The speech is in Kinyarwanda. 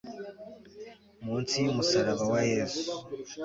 Munsi yumusaraba wa yesu